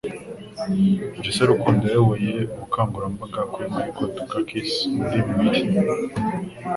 Jesse Rukundo yayoboye ubukangurambaga kuri Michael Dukakis muri bibiri